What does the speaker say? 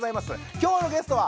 今日のゲストは！